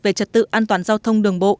về trật tự an toàn giao thông đường bộ